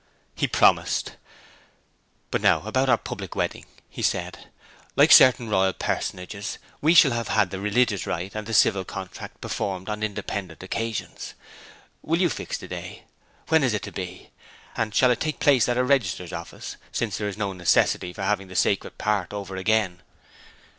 He promised. 'But now about our public wedding,' he said. 'Like certain royal personages, we shall have had the religious rite and the civil contract performed on independent occasions. Will you fix the day? When is it to be? and shall it take place at a registrar's office, since there is no necessity for having the sacred part over again?'